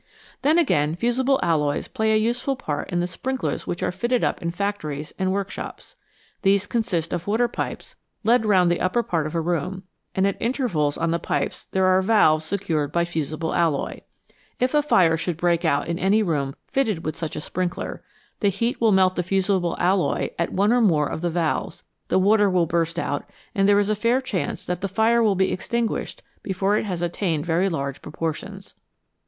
Then, again, fusible alloys play a useful part in the sprinklers which are fitted up in factories and workshops. 76 TWO METALS BETTER THAN ONE These consist of water pipes led round the upper part of a room, and at intervals on the pipes there are valves secured by fusible alloy. If a fire should break out in any room fitted with such a sprinkler, the heat will melt the fusible alloy at one or more of the valves, the water will burst out, and there is a fair chance that the fire will be extinguished before it has attained very large proportions.